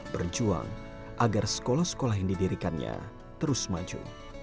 berjuang agar sekolah sekolah yang didirikannya terus maju